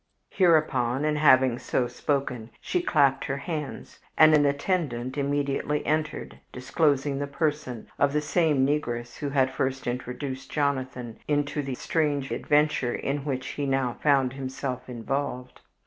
Hereupon, and having so spoken, she clapped her hands, and an attendant immediately entered, disclosing the person of the same negress who had first introduced Jonathan into the strange adventure in which he now found himself involved.